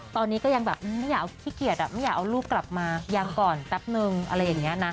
ตอนนี้ก็ยังแบบไม่อยากเอาขี้เกียจไม่อยากเอาลูกกลับมายังก่อนแป๊บนึงอะไรอย่างนี้นะ